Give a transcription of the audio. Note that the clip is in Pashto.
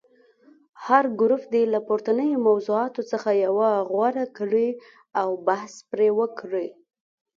هر ګروپ دې له پورتنیو موضوعاتو څخه یوه غوره کړي او بحث پرې وکړي.